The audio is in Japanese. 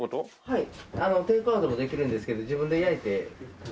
はい。